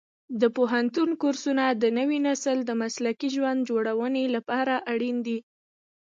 د پوهنتون کورسونه د نوي نسل د مسلکي ژوند جوړونې لپاره اړین دي.